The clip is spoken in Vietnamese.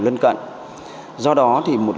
lân cận do đó thì một